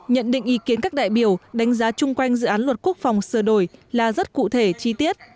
nhận định ý kiến các đại biểu đánh giá chung quanh dự án luật quốc phòng sửa đổi là rất cụ thể chi tiết